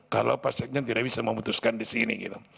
kalau pak sekjen tidak bisa memutuskan di sini gitu